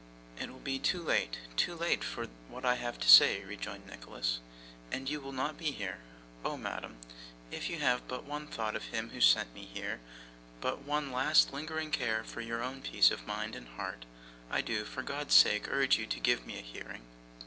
'It will be too late too late for what I have to say,' rejoined Nicholas, 'and you will not be here. Oh, madam, if you have but one thought of him who sent me here, but one last lingering care for your own peace of mind and heart, I do for God's sake urge you to give me a hearing.